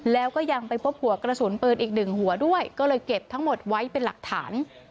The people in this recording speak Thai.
แล้วก็ยังไปพบหัวกระสุนปืนอีกหนึ่งหัวด้วยก็เลยเก็บทั้งหมดไว้เป็นหลักฐาน